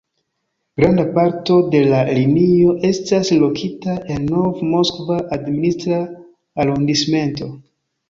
Granda parto de la linio estas lokita en Nov-Moskva administra arondismento.